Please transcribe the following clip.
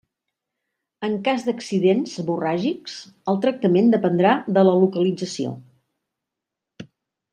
En cas d’accidents hemorràgics, el tractament dependrà de la localització.